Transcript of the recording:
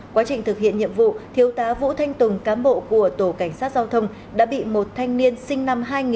quá trình thực hiện nhiệm vụ thiếu tá vũ thanh tùng cám bộ của tổ cảnh sát giao thông đã bị một thanh niên sinh năm hai nghìn